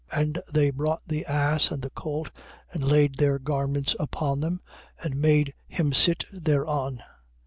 21:7. And they brought the ass and the colt and laid their garments upon them and made him sit thereon.